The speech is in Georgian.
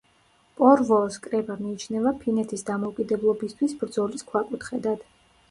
პორვოოს კრება მიიჩნევა ფინეთის დამოუკიდებლობისთვის ბრძოლის ქვაკუთხედად.